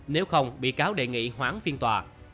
nếu không bị cáo đề nghị hoãn phiên tòa